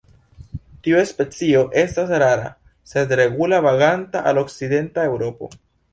Tiu specio estas rara sed regula vaganta al okcidenta Eŭropo.